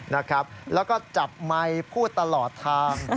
แล้วก็จับไมค์พูดตลอดทาง